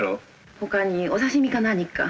他にお刺身か何か。